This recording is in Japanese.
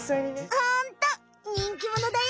ホントにんきものだよ。